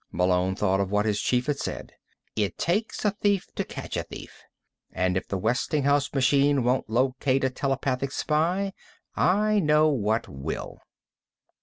Malone thought of what his chief had said: "It takes a thief to catch a thief. And if the Westinghouse machine won't locate a telepathic spy, I know what will."